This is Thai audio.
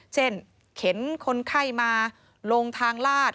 เข็นคนไข้มาลงทางลาด